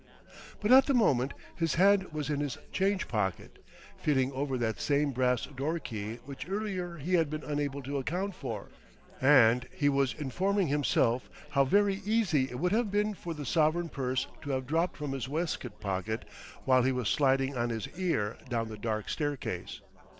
But at the moment his hand was in his change pocket, feeling over that same brass door key which earlier he had been unable to account for, and he was informing himself how very easy it would have been for the sovereign purse to have dropped from his waistcoat pocket while he was sliding on his ear down the dark staircase.